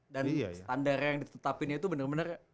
dan standarnya yang ditetapinnya tuh bener bener